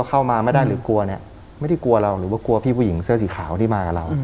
เข้ามาไม่ได้รู้กลัวเราหรือกลัวพี่ผู้หญิงเลือดสีขาวมากับเรา